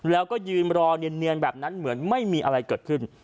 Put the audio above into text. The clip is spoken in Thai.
แล้วก็ยืนรอเนียนแบบนั้นเหมือนไม่มีอะไรเกิดขึ้น